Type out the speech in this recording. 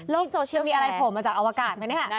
โลกโซเชียลแสนจะมีอะไรโผล่มาจากอวกาศไหมนะคะ